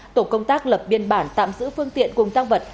tổ công tác lập biên bản tạm giữ phương tiện cùng tăng vật